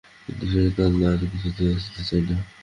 কিন্তু সে কাল আর কিছুতেই আসিতে চায় না।